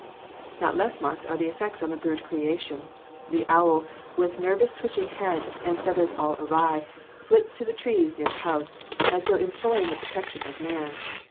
Not less marked are the effects on the brute creation. The owl, with nervous twitching head, and feathers all awry, flits to the trees near the house, as though imploring the protection of man.